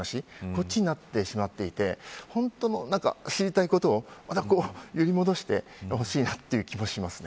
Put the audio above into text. こっちになってしまっていて本当の知りたいことを寄り戻してほしいなという気もします。